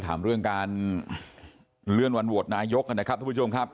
ยังเป็นการเรียนรวดนายกนะครับทุกผู้ชมครับ